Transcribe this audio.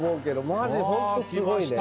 マジホントすごいね。